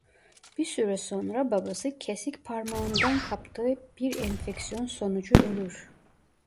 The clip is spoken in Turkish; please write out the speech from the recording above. Bir süre sonra babası kesik parmağından kaptığı bir enfeksiyon sonucu ölür.